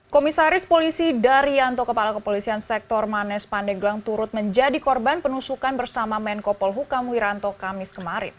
komisaris polisi daryanto kepala kepolisian sektor manes pandeglang turut menjadi korban penusukan bersama menko polhukam wiranto kamis kemarin